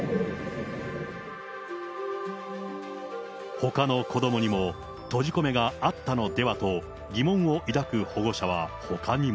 ほかの子どもにも閉じ込めがあったのでは？と疑問を抱く保護者はほかにも。